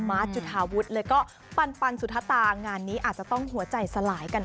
จุธาวุฒิแล้วก็ปันสุธตางานนี้อาจจะต้องหัวใจสลายกันค่ะ